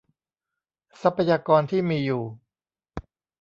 ทรัพยากรที่มีอยู่